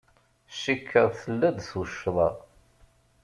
Cikkeɣ tella-d tuccḍa.